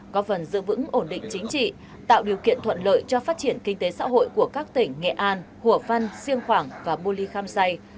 có phần giữ vững ổn định chính trị tạo điều kiện thuận lợi cho phát triển kinh tế xã hội của các tỉnh nghệ an hủa phăn siêng khoảng và bô ly khăm say